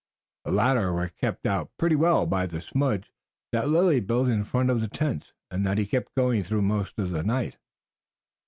The latter were kept out pretty well by the smudge that Lilly built in front of the tents and that he kept going through most of the night.